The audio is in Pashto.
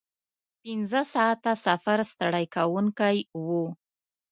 پنځه ساعته سفر ستړی کوونکی و.